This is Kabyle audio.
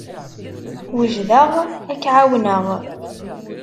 Wejdeɣ ad k-ɛawneɣ.